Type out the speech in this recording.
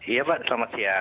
iya pak selamat siang